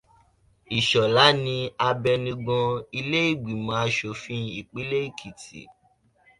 Ìṣọ̀lá ni abẹnugan ilé ìgbìmọ̀ aṣòfin ìpínlẹ Èkìtì.